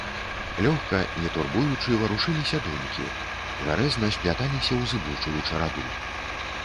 Лёгка, не турбуючы, варушыліся думкі, гарэзна спляталіся ў зыбучую чараду.